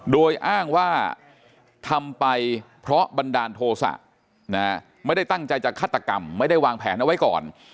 โดยอ้างว่าทำไปเพราะบันดาลโทษะไม่ได้ตั้งใจจะฆาตกรรมไม่ได้วางแผนเอาไว้ก่อน